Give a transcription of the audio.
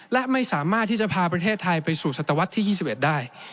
และไม่สามารถที่จะพาประเทศไทยไปสู่ศตวรรษที่๒๑ได้